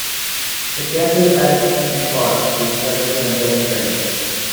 The castle at Meybod is currently under study.